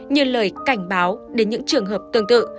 như lời cảnh báo đến những trường hợp tương tự